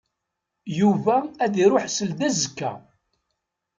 Yuba ad iṛuḥ seld azekka.